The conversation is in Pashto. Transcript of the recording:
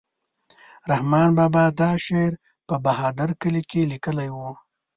رحمان بابا دا شعر په بهادر کلي کې لیکلی و.